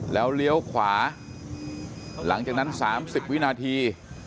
แล้วเลี้ยวขวาหลังจากนั้น๓๐วินาที